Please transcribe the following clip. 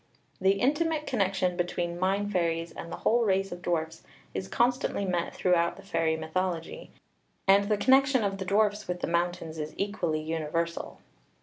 ' The intimate connection between mine fairies and the whole race of dwarfs is constantly met throughout the fairy mythology; and the connection of the dwarfs with the mountains is equally universal.